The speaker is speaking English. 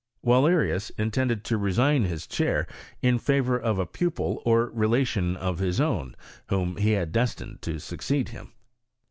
Wal lerius intended to resign his chair in favour of a pupil or relation of his own, whom he had destined to succeed him.